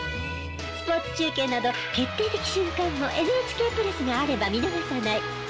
スポーツ中継など決定的瞬間もＮＨＫプラスがあれば見逃さない。